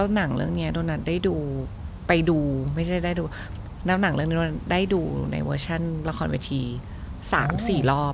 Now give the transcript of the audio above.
หนังเรื่องนี้โดนัทได้ดูในเวอร์ชั่นละครบิธีหา๓๔รอบ